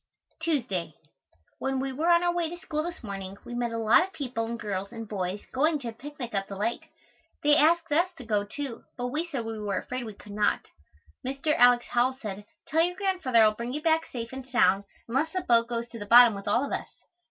Tuesday. When we were on our way to school this morning we met a lot of people and girls and boys going to a picnic up the lake. They asked us to go, too, but we said we were afraid we could not. Mr. Alex. Howell said, "Tell your Grandfather I will bring you back safe and sound unless the boat goes to the bottom with all of us."